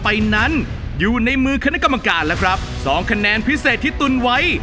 ผมจะทำให้มันผ่าน๔๐คะแนนไปได้ครับ